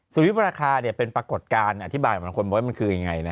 สุริยุปราคาเนี่ยเป็นปรากฏการณ์อธิบายเหมือนคนบอกว่ามันคือยังไงนะ